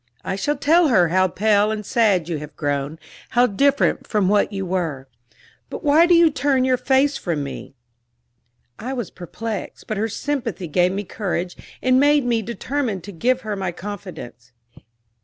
I shall tell her how pale and sad you have grown how different from what you were. But why do you turn your face from me?" I was perplexed, but her sympathy gave me courage, and made me determined to give her my confidence.